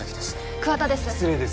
桑田です